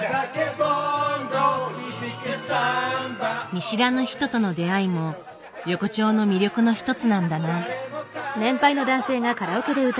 見知らぬ人との出会いも横丁の魅力の一つなんだな。